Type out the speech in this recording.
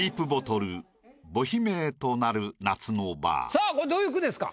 さぁこれどういう句ですか？